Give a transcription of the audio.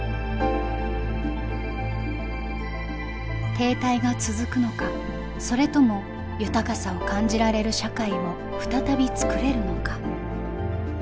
停滞が続くのかそれとも豊かさを感じられる社会を再び作れるのか。